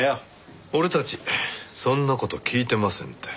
俺たちそんな事聞いてませんって。